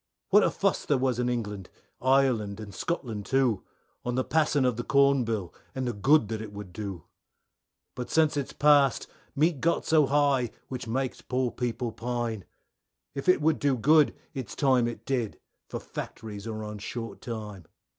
What a fuss there was in England, Ireland, and Scotland too, On the passing of the Corn Bill and the good that it would do, But since it's past Meat got so high which makes poor people pine. If it would do good it's time it did for factories are on short time.